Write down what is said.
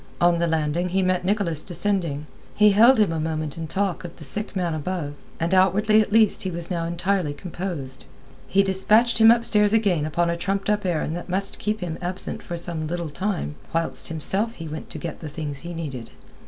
On the landing he met Nicholas descending. He held him a moment in talk of the sick man above, and outwardly at least he was now entirely composed. He dispatched him upstairs again upon a trumped up errand that must keep him absent for some little time, whilst himself he went to get the things he needed.